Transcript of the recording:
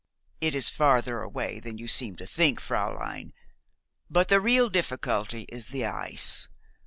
"It is farther away than you seem to think, fräulein; but the real difficulty is the ice.